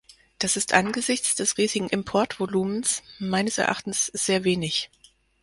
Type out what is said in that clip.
Das ist angesichts des riesigen Importvolumens meines Erachtens sehr wenig.